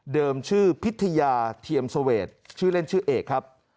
ชื่อพิทยาเทียมเสวดชื่อเล่นชื่อเอกครับ